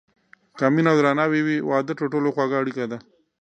که مینه او درناوی وي، واده تر ټولو خوږه اړیکه ده.